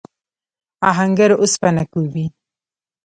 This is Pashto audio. آهنګر اوسپنه کوبي.